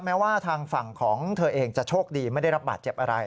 แม้ว่าทางฝั่งของเธอเองจะโชคดีไม่ได้รับบาดเจ็บอะไร